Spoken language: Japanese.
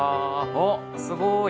おっすごーい。